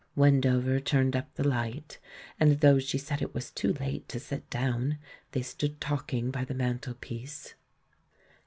Wendover turned up the light, and, though she said it was too late to sit down, they stood talking by the mantelpiece.